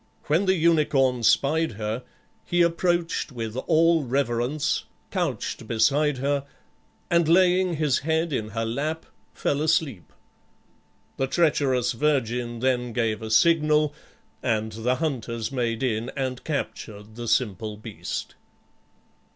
When the unicorn spied her, he approached with all reverence, couched beside her, and laying his head in her lap, fell asleep. The treacherous virgin then gave a signal, and the hunters made in and captured the simple beast.